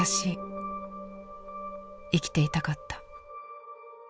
生きていたかった」。